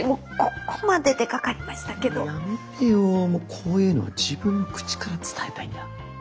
こういうのは自分の口から伝えたいんだ。